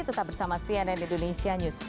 tetap bersama cnn indonesia news